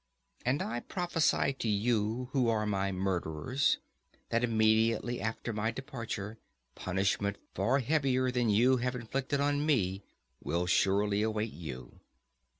And I prophesy to you who are my murderers, that immediately after my departure punishment far heavier than you have inflicted on me will surely await you.